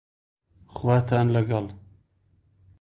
خواتان لەگەڵ